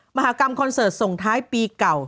มหากรรมคอนเสิร์ตส่งท้ายปีเก่า